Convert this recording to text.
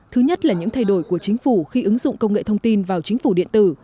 thứ nhất là những thay đổi của chính phủ khi ứng dụng công nghệ thông tin vào chính phủ điện tử